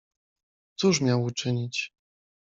"Cóż miał uczynić?"